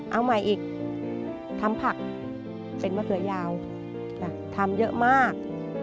เอาใหม่อีกทำผักเป็นมะเขือยาวทำเยอะมาก